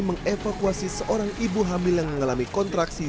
mengevakuasi seorang ibu hamil yang mengalami kontraksi